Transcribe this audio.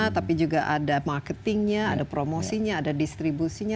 tapi juga ada marketingnya ada promosinya ada distribusinya